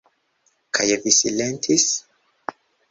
Kaj vi silentis?